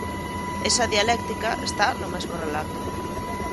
Esa dialéctica está no mesmo relato.